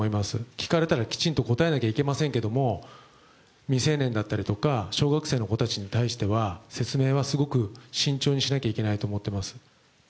聞かれたらきちんと答えなきゃいけないですけども、未成年だったり小学生の子たちに対しては説明はすごく慎重にしなきゃいけないと思っています。